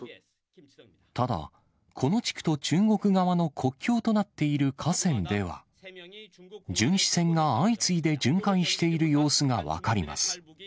ただ、この地区と中国側の国境となっている河川では、巡視船が相次いで巡回している様子が分かります。